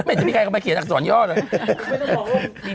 ไม่มีใครมาเขียนอักษรจรร่ำ